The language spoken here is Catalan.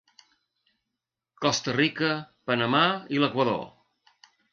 Costa Rica, Panamà i l'Equador.